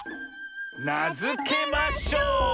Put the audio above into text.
なづけましょう！